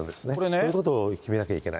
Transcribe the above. そういうことを決めなきゃいけない。